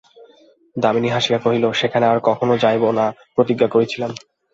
দামিনী হাসিয়া কহিল, সেখানে আর কখনো যাইব না প্রতিজ্ঞা করিয়াছিলাম।